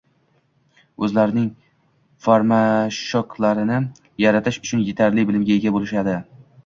O’zlarining farameworklarini yaratish uchun yetarli bilimga ega bo’lishadi